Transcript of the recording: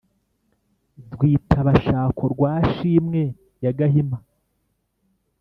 rwitaba-shako rwa shimwe ya gahima